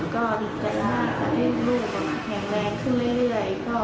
ก็ดีใจมากทำให้ลูกแข็งแรงขึ้นเรื่อย